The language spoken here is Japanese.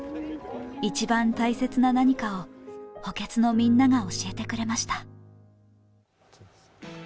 一番大切な何かを補欠のみんなが教えてくれました。